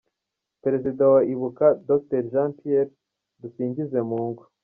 Perezida wa Ibuka Dr Jean Pierre Dusingizemungu.